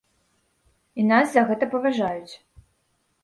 І нас за гэта паважаюць!